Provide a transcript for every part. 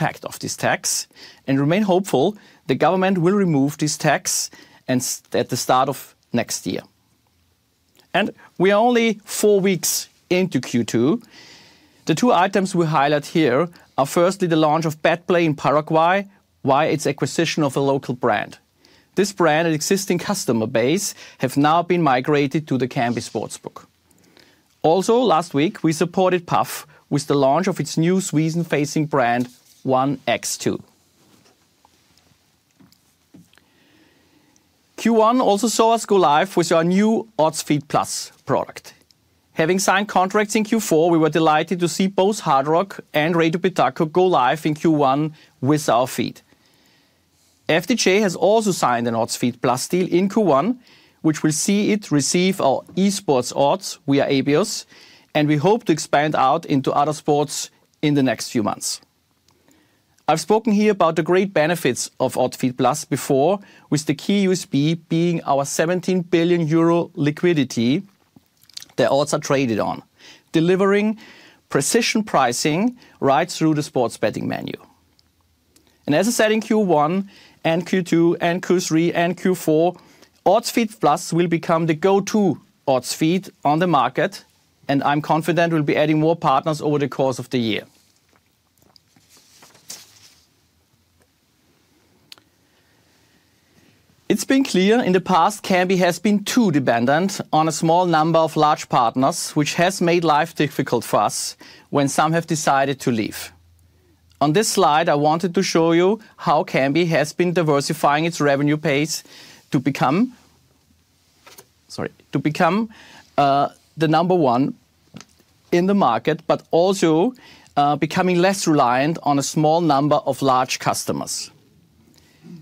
Impact of this tax, and remain hopeful the government will remove this tax at the start of next year. We are only four weeks into Q2. The two items we highlight here are firstly the launch of Bet Play in Paraguay via its acquisition of a local brand. This brand and existing customer base have now been migrated to the Kambi Sportsbook. Last week we supported Paf with the launch of its new Sweden-facing brand OneX2. Q1 also saw us go live with our new Oddspedia Plus product. Having signed contracts in Q4, we were delighted to see both Hard Rock and Rei do Pitaco go live in Q1 with our feed. FDJ has also signed an Oddspedia Plus deal in Q1, which will see it receive our eSports odds via Abios, and we hope to expand out into other sports in the next few months. I've spoken here about the great benefits of Oddspedia Plus before, with the key USP being our 17 billion euro liquidity that odds are traded on, delivering precision pricing right through the sports betting menu. As I said in Q1 and Q2 and Q3 and Q4, Oddspedia Plus will become the go-to Oddspedia on the market, and I'm confident we'll be adding more partners over the course of the year. It's been clear in the past Kambi has been too dependent on a small number of large partners, which has made life difficult for us when some have decided to leave. On this slide, I wanted to show you how Kambi has been diversifying its revenue base to become, sorry, to become the number one in the market, but also becoming less reliant on a small number of large customers.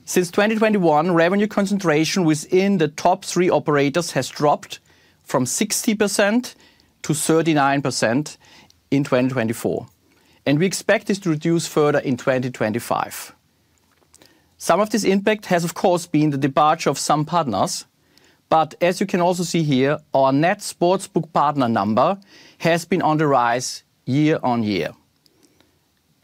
Since 2021, revenue concentration within the top three operators has dropped from 60% to 39% in 2024, and we expect this to reduce further in 2025. Some of this impact has, of course, been the departure of some partners, but as you can also see here, our net Sportsbook partner number has been on the rise year on year.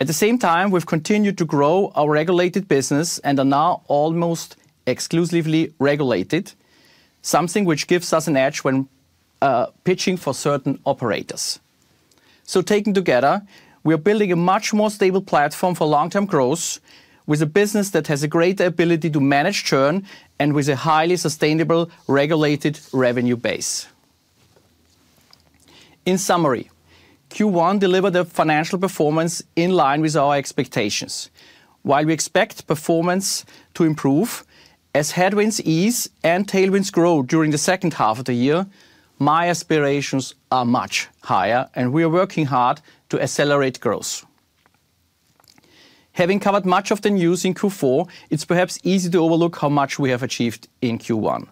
At the same time, we've continued to grow our regulated business and are now almost exclusively regulated, something which gives us an edge when pitching for certain operators. Taken together, we are building a much more stable platform for long-term growth with a business that has a greater ability to manage churn and with a highly sustainable regulated revenue base. In summary, Q1 delivered a financial performance in line with our expectations. While we expect performance to improve as headwinds ease and tailwinds grow during the second half of the year, my aspirations are much higher, and we are working hard to accelerate growth. Having covered much of the news in Q4, it's perhaps easy to overlook how much we have achieved in Q1.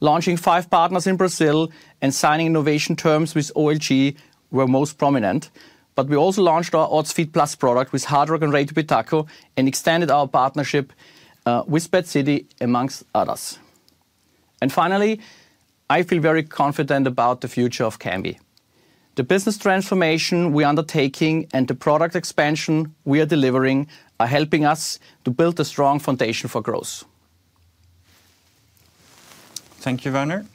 Launching five partners in Brazil and signing innovation terms with OLG were most prominent, but we also launched our Oddspedia Plus product with Hard Rock and Radio Pitaco and extended our partnership with Bet City, amongst others. I feel very confident about the future of Kambi. The business transformation we are undertaking and the product expansion we are delivering are helping us to build a strong foundation for growth. Thank you, Werner.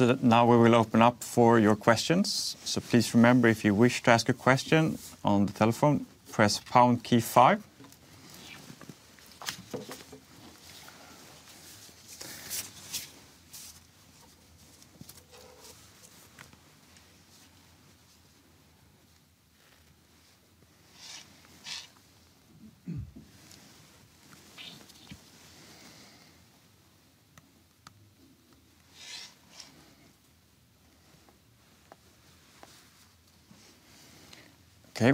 Now we will open up for your questions. Please remember, if you wish to ask a question on the telephone, press pound key five.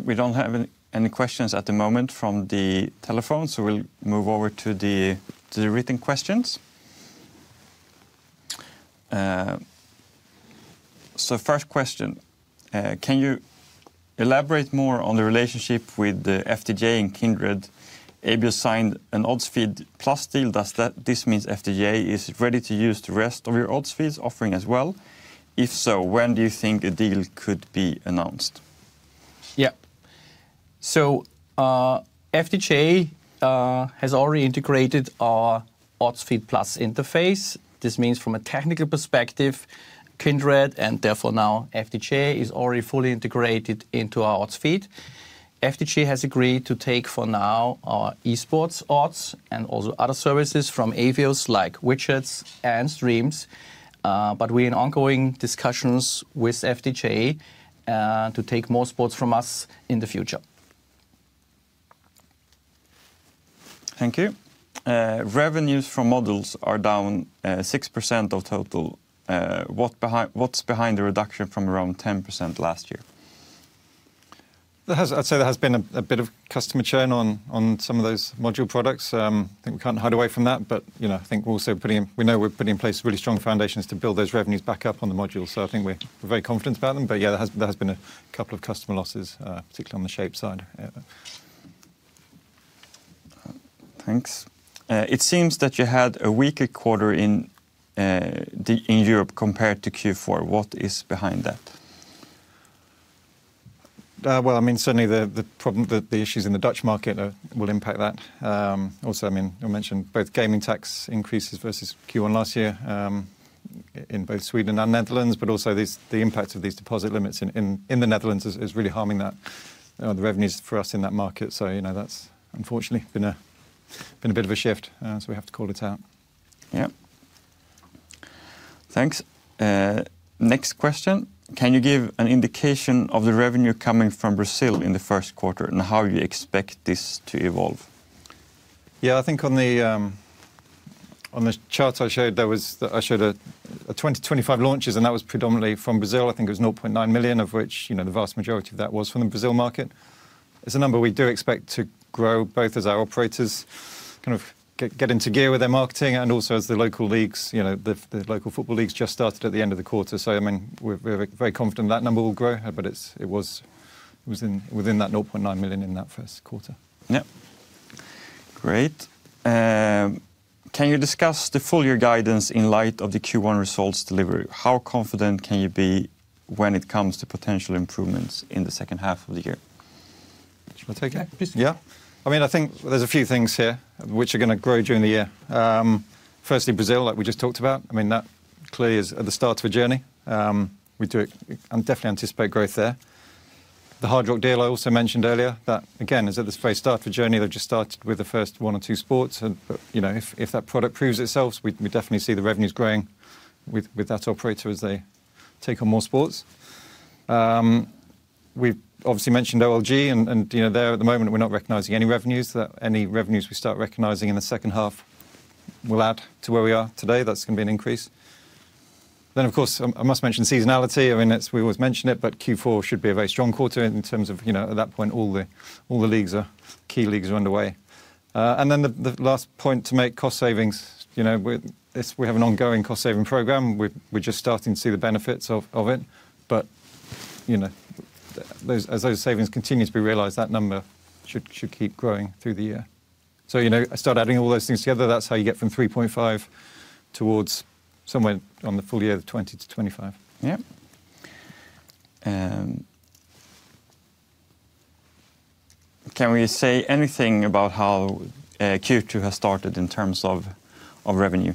We do not have any questions at the moment from the telephone, so we will move over to the written questions. First question, can you elaborate more on the relationship with the FDJ and Kindred? ABIOS signed an Oddspedia Plus deal. Does this mean FDJ is ready to use the rest of your Oddspedia offering as well? If so, when do you think a deal could be announced? Yeah. FDJ has already integrated our Oddspedia Plus interface. This means from a technical perspective, Kindred, and therefore now FDJ, is already fully integrated into our Oddspedia. FDJ has agreed to take for now our eSports odds and also other services from ABIOS like widgets and streams, but we are in ongoing discussions with FDJ to take more sports from us in the future. Thank you. Revenues from models are down 6% of total. What's behind the reduction from around 10% last year? I'd say there has been a bit of customer churn on some of those module products. I think we can't hide away from that, but I think we're also putting in, we know we're putting in place really strong foundations to build those revenues back up on the modules. I think we're very confident about them. Yeah, there has been a couple of customer losses, particularly on the Shape side. Thanks. It seems that you had a weaker quarter in Europe compared to Q4. What is behind that? I mean, certainly the problem, the issues in the Dutch market will impact that. Also, I mean, you mentioned both gaming tax increases versus Q1 last year in both Sweden and Netherlands, but also the impact of these deposit limits in the Netherlands is really harming the revenues for us in that market. That has unfortunately been a bit of a shift, so we have to call it out. Yeah. Thanks. Next question. Can you give an indication of the revenue coming from Brazil in the first quarter and how you expect this to evolve? Yeah, I think on the charts I showed, I showed 2025 launches, and that was predominantly from Brazil. I think it was $0.9 million, of which the vast majority of that was from the Brazil market. It's a number we do expect to grow both as our operators kind of get into gear with their marketing and also as the local leagues, the local football leagues just started at the end of the quarter. I mean, we're very confident that number will grow, but it was within that $0.9 million in that first quarter. Yeah. Great. Can you discuss the full year guidance in light of the Q1 results delivery? How confident can you be when it comes to potential improvements in the second half of the year? Should I take it? Yeah. I mean, I think there's a few things here which are going to grow during the year. Firstly, Brazil, like we just talked about, I mean, that clearly is at the start of a journey. We definitely anticipate growth there. The Hard Rock deal I also mentioned earlier, that again, is at the very start of a journey. They've just started with the first one or two sports. If that product proves itself, we definitely see the revenues growing with that operator as they take on more sports. We've obviously mentioned OLG, and there at the moment, we're not recognizing any revenues. Any revenues we start recognizing in the second half will add to where we are today. That's going to be an increase. Of course, I must mention seasonality. I mean, we always mention it, but Q4 should be a very strong quarter in terms of at that point, all the key leagues are underway. The last point to make is cost savings. We have an ongoing cost saving program. We're just starting to see the benefits of it. As those savings continue to be realized, that number should keep growing through the year. I start adding all those things together. That's how you get from 3.5 towards somewhere on the full year of 2025. Yeah. Can we say anything about how Q2 has started in terms of revenue?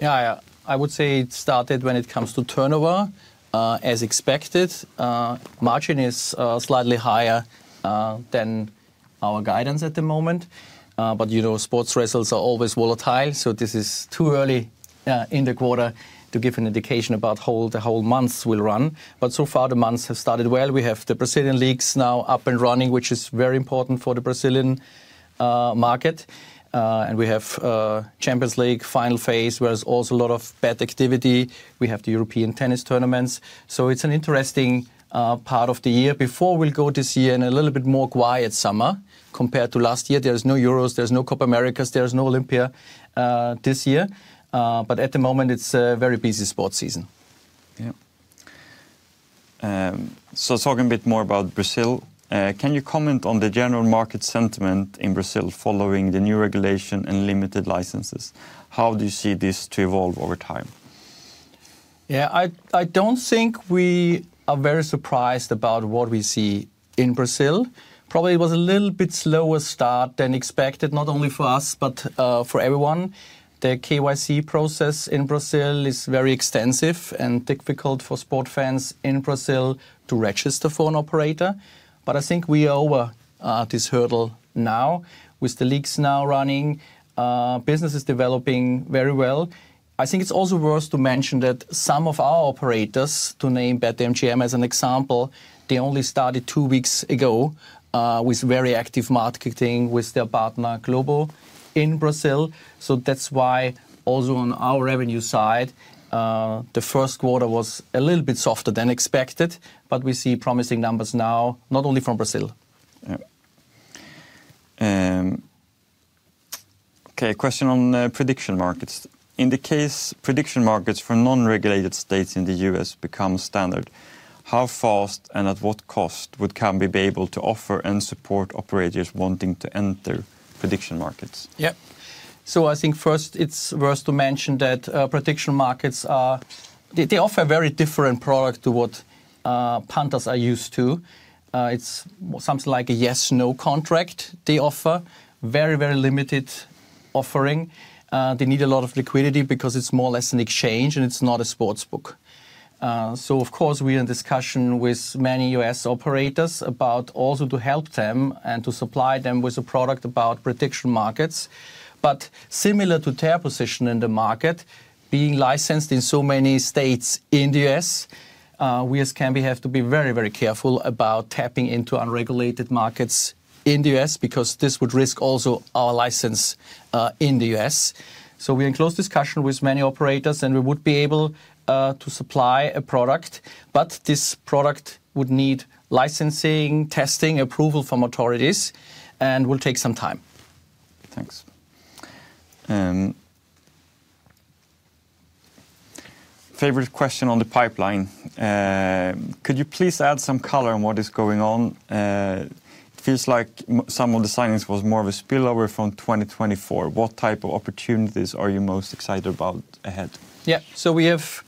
Yeah, I would say it started when it comes to turnover, as expected. Margin is slightly higher than our guidance at the moment, but sports results are always volatile. This is too early in the quarter to give an indication about how the whole month will run. So far, the months have started well. We have the Brazilian leagues now up and running, which is very important for the Brazilian market. We have Champions League final phase, where there is also a lot of bet activity. We have the European tennis tournaments. It is an interesting part of the year. Before, we will go this year in a little bit more quiet summer compared to last year. There is no Euros, there is no Copa Americas, there is no Olympia this year. At the moment, it is a very busy sports season. Yeah. Talking a bit more about Brazil, can you comment on the general market sentiment in Brazil following the new regulation and limited licenses? How do you see this to evolve over time? Yeah, I don't think we are very surprised about what we see in Brazil. Probably it was a little bit slower start than expected, not only for us, but for everyone. The KYC process in Brazil is very extensive and difficult for sport fans in Brazil to register for an operator. I think we are over this hurdle now with the leagues now running, businesses developing very well. I think it's also worth to mention that some of our operators, to name BetMGM as an example, they only started two weeks ago with very active marketing with their partner Global in Brazil. That's why also on our revenue side, the first quarter was a little bit softer than expected, but we see promising numbers now, not only from Brazil. Yeah. Okay, a question on prediction markets. In the case of prediction markets for non-regulated states in the U.S. become standard, how fast and at what cost would Kambi be able to offer and support operators wanting to enter prediction markets? Yeah. I think first it's worth to mention that prediction markets, they offer a very different product to what punters are used to. It's something like a yes/no contract. They offer very, very limited offering. They need a lot of liquidity because it's more or less an exchange and it's not a sportsbook. Of course, we are in discussion with many US operators about also to help them and to supply them with a product about prediction markets. Similar to their position in the market, being licensed in so many states in the US, we as Kambi have to be very, very careful about tapping into unregulated markets in the US because this would risk also our license in the US. We're in close discussion with many operators and we would be able to supply a product, but this product would need licensing, testing, approval from authorities, and will take some time. Thanks. Favorite question on the pipeline. Could you please add some color on what is going on? It feels like some of the signings was more of a spillover from 2024. What type of opportunities are you most excited about ahead? Yeah. We have,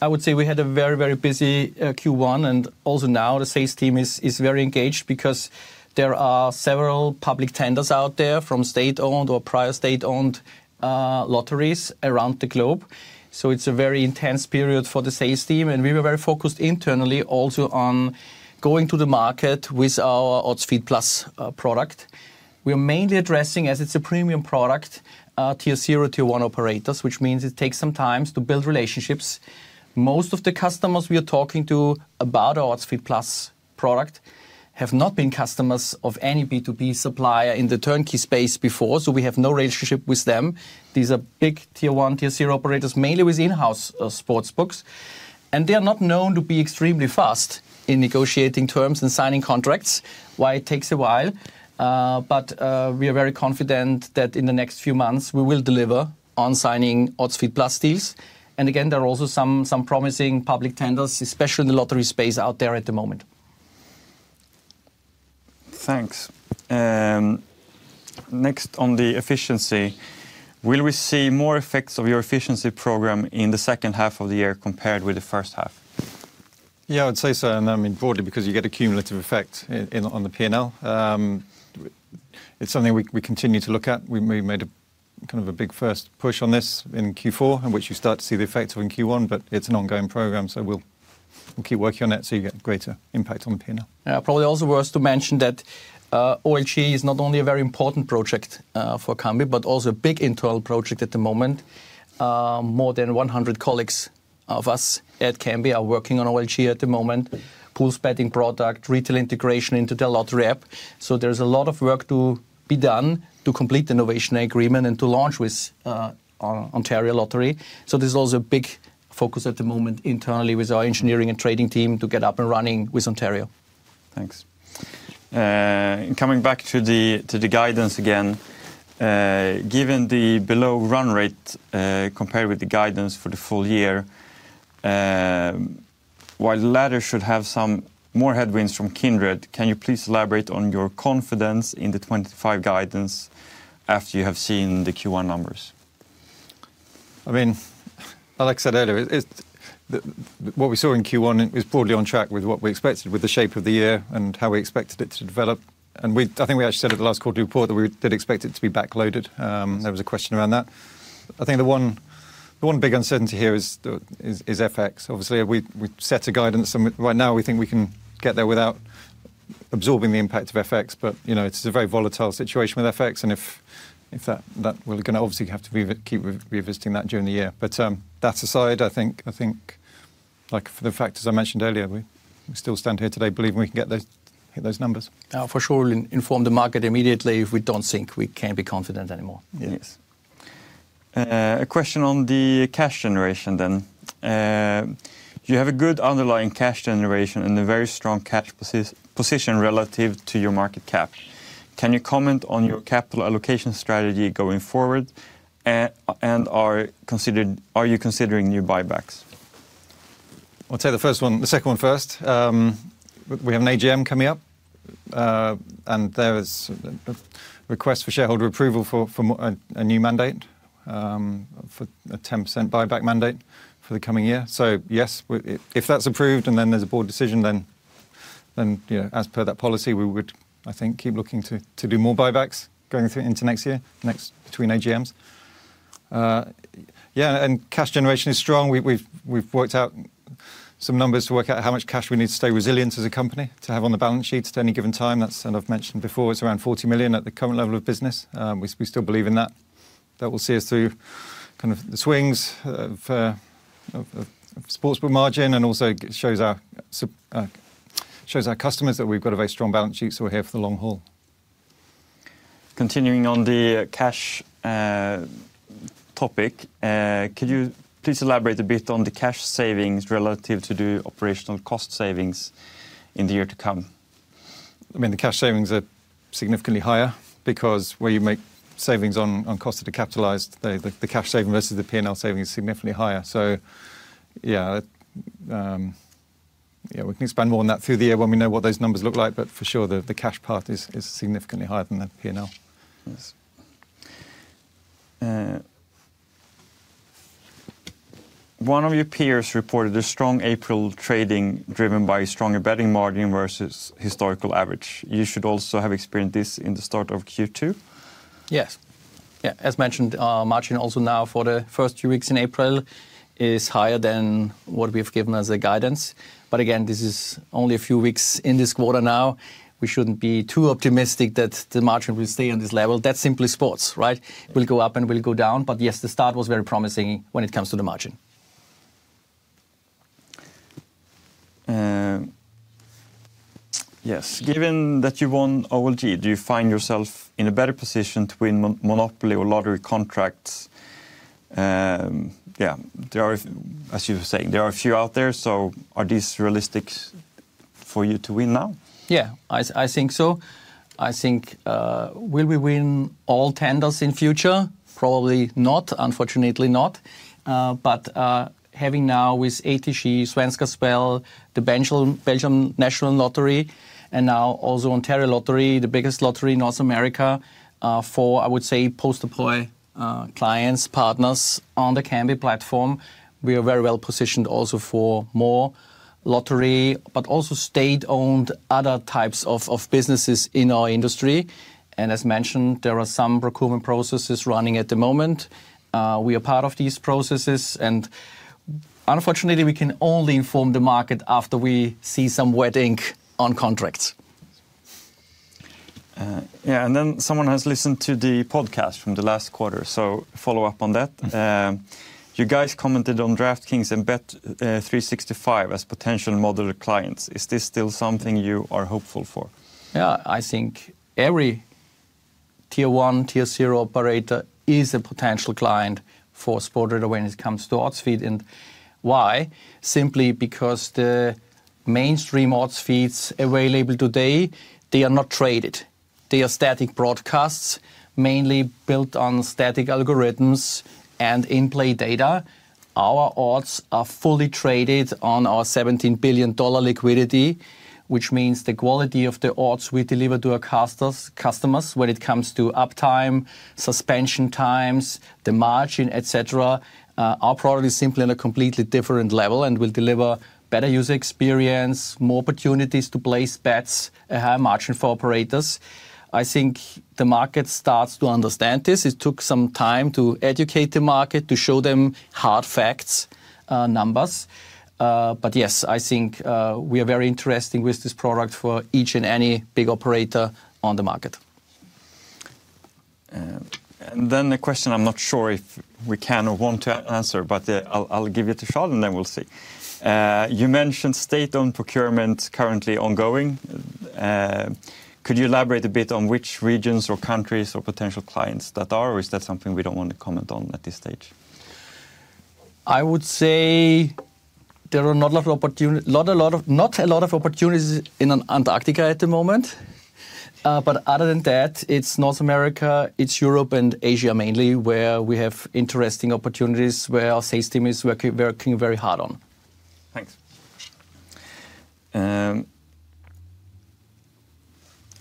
I would say we had a very, very busy Q1 and also now the sales team is very engaged because there are several public tenders out there from state-owned or prior state-owned lotteries around the globe. It is a very intense period for the sales team. We were very focused internally also on going to the market with our Oddspedia Plus product. We are mainly addressing, as it is a premium product, tier zero, tier one operators, which means it takes some time to build relationships. Most of the customers we are talking to about our Oddspedia Plus product have not been customers of any B2B supplier in the turnkey space before, so we have no relationship with them. These are big tier one, tier zero operators, mainly with in-house sports books. They are not known to be extremely fast in negotiating terms and signing contracts, while it takes a while. We are very confident that in the next few months, we will deliver on signing Oddspedia Plus deals. Again, there are also some promising public tenders, especially in the lottery space out there at the moment. Thanks. Next on the efficiency, will we see more effects of your efficiency program in the second half of the year compared with the first half? Yeah, I would say so. I mean, broadly, because you get a cumulative effect on the P&L. It's something we continue to look at. We made a kind of a big first push on this in Q4, in which you start to see the effects of in Q1, but it's an ongoing program, so we'll keep working on it so you get a greater impact on the P&L. Yeah, probably also worth to mention that OLG is not only a very important project for Kambi, but also a big internal project at the moment. More than 100 colleagues of us at Kambi are working on OLG at the moment, pool spending product, retail integration into their lottery app. There is a lot of work to be done to complete the innovation agreement and to launch with Ontario Lottery. This is also a big focus at the moment internally with our engineering and trading team to get up and running with Ontario. Thanks. Coming back to the guidance again, given the below run rate compared with the guidance for the full year, while the latter should have some more headwinds from Kindred, can you please elaborate on your confidence in the 2025 guidance after you have seen the Q1 numbers? I mean, like I said earlier, what we saw in Q1 was probably on track with what we expected with the shape of the year and how we expected it to develop. I think we actually said at the last quarterly report that we did expect it to be backloaded. There was a question around that. I think the one big uncertainty here is FX. Obviously, we set a guidance, and right now we think we can get there without absorbing the impact of FX, but it's a very volatile situation with FX, and if that, we're going to obviously have to keep revisiting that during the year. That aside, I think like for the factors I mentioned earlier, we still stand here today believing we can get those numbers. For sure, we'll inform the market immediately if we don't think we can be confident anymore. Yes. A question on the cash generation then. You have a good underlying cash generation and a very strong cash position relative to your market cap. Can you comment on your capital allocation strategy going forward, and are you considering new buybacks? I'll take the first one, the second one first. We have an AGM coming up, and there's a request for shareholder approval for a new mandate, for a 10% buyback mandate for the coming year. Yes, if that's approved and then there's a board decision, then as per that policy, we would, I think, keep looking to do more buybacks going into next year, next between AGMs. Yeah, and cash generation is strong. We've worked out some numbers to work out how much cash we need to stay resilient as a company to have on the balance sheet at any given time. That's, and I've mentioned before, it's around 40 million at the current level of business. We still believe in that. That will see us through kind of the swings of sportsbook margin and also shows our customers that we've got a very strong balance sheet, so we're here for the long haul. Continuing on the cash topic, could you please elaborate a bit on the cash savings relative to the operational cost savings in the year to come? I mean, the cash savings are significantly higher because where you make savings on costs that are capitalized, the cash saving versus the P&L saving is significantly higher. Yeah, we can expand more on that through the year when we know what those numbers look like, but for sure, the cash part is significantly higher than the P&L. Yes. One of your peers reported a strong April trading driven by stronger betting margin versus historical average. You should also have experienced this in the start of Q2. Yes. Yeah, as mentioned, our margin also now for the first two weeks in April is higher than what we have given as a guidance. Again, this is only a few weeks in this quarter now. We should not be too optimistic that the margin will stay on this level. That is simply sports, right? It will go up and will go down. Yes, the start was very promising when it comes to the margin. Yes. Given that you won OLG, do you find yourself in a better position to win Monopoly or lottery contracts? Yeah, as you were saying, there are a few out there. Are these realistic for you to win now? Yeah, I think so. I think will we win all tenders in future? Probably not, unfortunately not. Having now with ATG, Svenska Spel, the Belgium National Lottery, and now also Ontario Lottery, the biggest lottery in North America for, I would say, post-employee clients, partners on the Kambi platform, we are very well positioned also for more lottery, but also state-owned other types of businesses in our industry. As mentioned, there are some procurement processes running at the moment. We are part of these processes, and unfortunately, we can only inform the market after we see some wedding on contracts. Yeah, and then someone has listened to the podcast from the last quarter, so follow up on that. You guys commented on DraftKings and Bet365 as potential moderate clients. Is this still something you are hopeful for? Yeah, I think every tier one, tier zero operator is a potential client for Sportradar when it comes to odds feeding. Why? Simply because the mainstream odds feeds available today, they are not traded. They are static broadcasts, mainly built on static algorithms and in-play data. Our odds are fully traded on our €17 billion liquidity, which means the quality of the odds we deliver to our customers when it comes to uptime, suspension times, the margin, etc. Our product is simply on a completely different level and will deliver better user experience, more opportunities to place bets, a higher margin for operators. I think the market starts to understand this. It took some time to educate the market to show them hard facts, numbers. Yes, I think we are very interested with this product for each and any big operator on the market. A question I'm not sure if we can or want to answer, but I'll give it a shot and then we'll see. You mentioned state-owned procurement currently ongoing. Could you elaborate a bit on which regions or countries or potential clients that are, or is that something we don't want to comment on at this stage? I would say there are not a lot of opportunities, not a lot of, not a lot of opportunities in Antarctica at the moment. Other than that, it's North America, it's Europe and Asia mainly where we have interesting opportunities where our sales team is working very hard on. Thanks.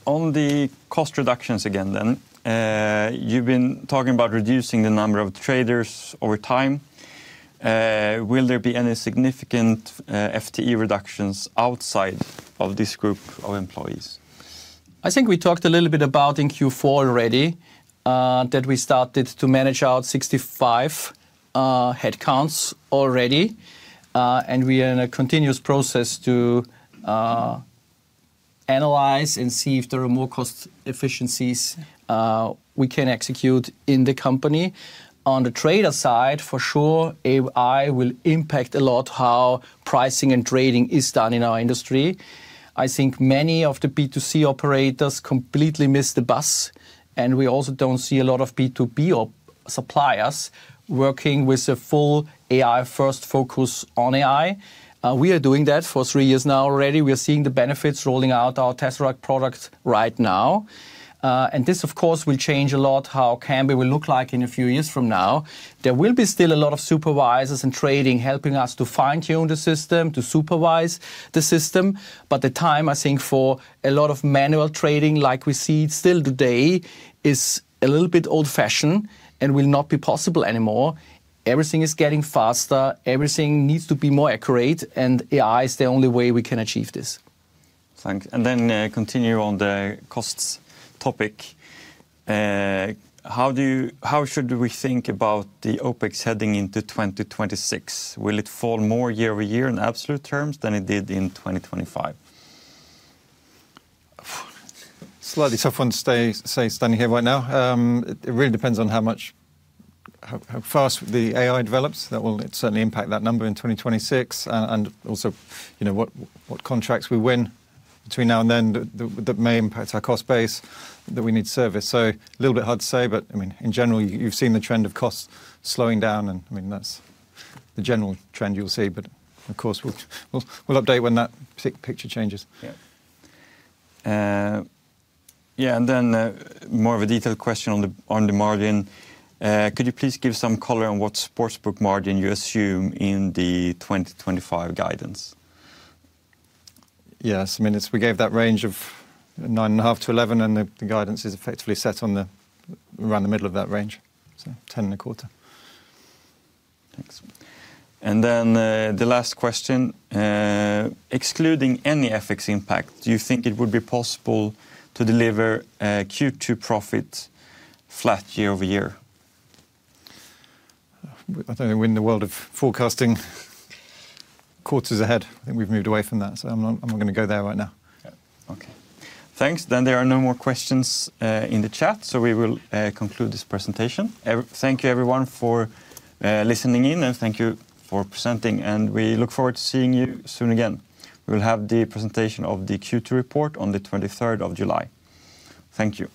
On the cost reductions again then, you've been talking about reducing the number of traders over time. Will there be any significant FTE reductions outside of this group of employees? I think we talked a little bit about in Q4 already that we started to manage out 65 headcounts already, and we are in a continuous process to analyze and see if there are more cost efficiencies we can execute in the company. On the trader side, for sure, AI will impact a lot how pricing and trading is done in our industry. I think many of the B2C operators completely missed the bus, and we also don't see a lot of B2B suppliers working with a full AI-first focus on AI. We are doing that for three years now already. We are seeing the benefits rolling out our TestRug product right now. This, of course, will change a lot how Kambi will look like in a few years from now. There will be still a lot of supervisors and trading helping us to fine-tune the system, to supervise the system. The time, I think, for a lot of manual trading like we see still today is a little bit old-fashioned and will not be possible anymore. Everything is getting faster. Everything needs to be more accurate, and AI is the only way we can achieve this. Thanks. How should we think about the OPEX heading into 2026? Will it fall more year over year in absolute terms than it did in 2025? Slightly tough one to say standing here right now. It really depends on how fast the AI develops. That will certainly impact that number in 2026 and also what contracts we win between now and then that may impact our cost base that we need to service. A little bit hard to say, but I mean, in general, you've seen the trend of costs slowing down, and I mean, that's the general trend you'll see. Of course, we'll update when that picture changes. Yeah, yeah, and then more of a detailed question on the margin. Could you please give some color on what sportsbook margin you assume in the 2025 guidance? Yes, I mean, we gave that range of 9.5-11, and the guidance is effectively set around the middle of that range, so 10.25. Thanks. Then the last question. Excluding any FX impact, do you think it would be possible to deliver Q2 profit flat year over year? I don't think we're in the world of forecasting quarters ahead. I think we've moved away from that, so I'm not going to go there right now. Okay. Thanks. There are no more questions in the chat, so we will conclude this presentation. Thank you, everyone, for listening in, and thank you for presenting. We look forward to seeing you soon again. We will have the presentation of the Q2 report on the 23rd of July. Thank you.